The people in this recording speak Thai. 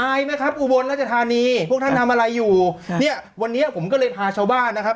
อายนะครับอุบลราชธานีพวกท่านทำอะไรอยู่เนี่ยวันนี้ผมก็เลยพาชาวบ้านนะครับ